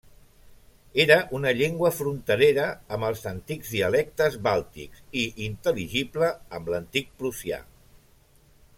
Era una llengua fronterera amb els antics dialectes bàltics, i intel·ligible amb l'antic prussià.